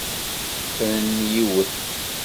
Fren yiwet.